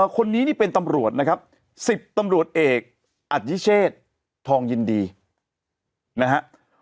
คนนี้นี่เป็นตำรวจนะครับ๑๐ตำรวจเอกอัธิเชษทองยินดีนะฮะ